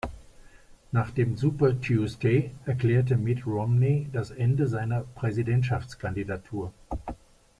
Nach dem "Super Tuesday" erklärte Mitt Romney das Ende seiner Präsidentschaftskandidatur.